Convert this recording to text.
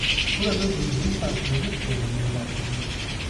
Burada duyduğu şarkıları söylemeye başladı.